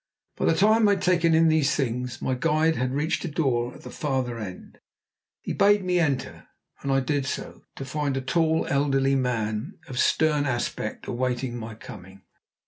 By the time I had taken in these things, my guide had reached a door at the farther end. He bade me enter, and I did so, to find a tall, elderly man of stern aspect awaiting my coming.